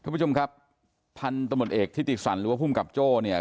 ผู้ชมครับพันธุ์ตำรวจเอกที่ติดสั่นหรือว่าผู้กำกับโจ้เนี่ย